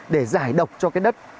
để giải độc cho cái đất